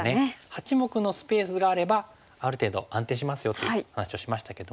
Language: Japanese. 八目のスペースがあればある程度安定しますよという話をしましたけども。